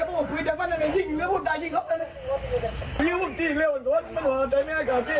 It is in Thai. พวกมันพูดอย่างนั้นมันยิงอยู่แล้วพวกมันตายยิงเขาไปเลย